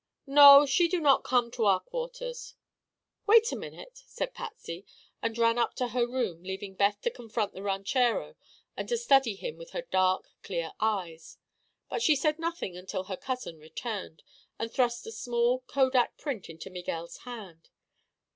"No. She do not come to our quarters." "Wait a minute," said Patsy, and ran up to her room, leaving Beth to confront the ranchero and to study him with her dark, clear eyes. But she said nothing until her cousin returned and thrust a small kodak print into Miguel's hand.